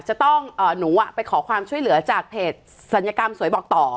จะต้องหนูไปขอความช่วยเหลือจากเพจศัลยกรรมสวยบอกต่อ